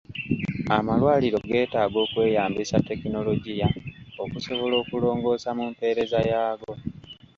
Amalwaliro geetaaga okweyambisa tekinologiya okusobola okulongoosa mu mpeereza yaago.